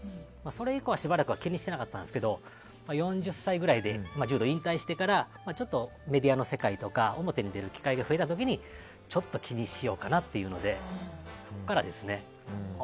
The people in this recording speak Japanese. それ以降はしばらく気にしてなかったんですが４０歳ぐらいで柔道を引退してちょっとメディアの世界とか表の世界に出る機会が増えた時にちょっと気にしようかというのでそこからですね。